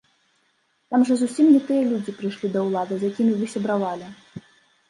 Там жа зусім не тыя людзі прыйшлі да ўлады, з якімі вы сябравалі!